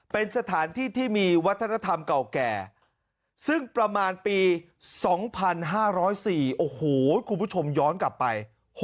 เป็นสถานที่ที่มีวัฒนธรรมเก่าแก่ซึ่งประมาณปี๒๕๐๔โอ้โหคุณผู้ชมย้อนกลับไป